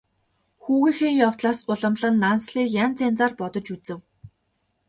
Хүүгийнхээ явдлаас уламлан Нансалыг янз янзаар бодож үзэв.